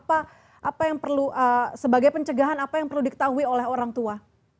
apa yang perlu sebagai pencegahan apa yang perlu diketahui oleh orang tua